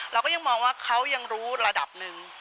เราก็ยังมองว่าเขายังรู้ระดับหนึ่ง